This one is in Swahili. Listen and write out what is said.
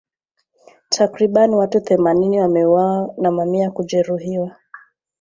Takribani watu themanini wameuawa na mamia kujeruhiwa